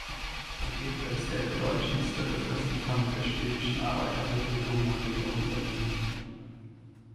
Er gilt als der bedeutendste Repräsentant der schwäbischen Arbeiterbewegung nach der Jahrhundertwende.